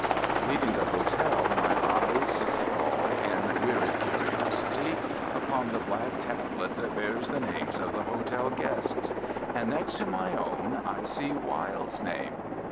Leaving the hotel, my eyes fall, in weary curiosity, upon the black tablet that bears the names of the hotel guests. And next to my own I see Wilde's name.